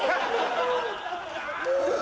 うわ！